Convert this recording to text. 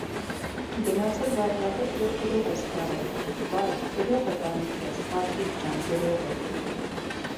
Գնացել վարժապետ և գրող ես դառել, վա՜յ, գրողը տանի քեզ, Պատրիկ ջան, գրո՜ղը…